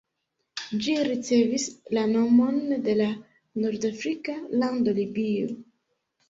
Ĝi ricevis la nomon de la nordafrika lando Libio.